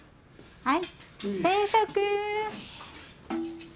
はい。